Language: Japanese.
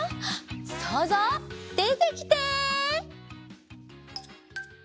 そうぞうでてきて！